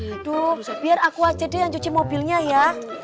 aduh biar aku aja deh yang cuci mobilnya ya